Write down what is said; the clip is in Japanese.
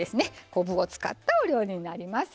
昆布を使ったお料理になります。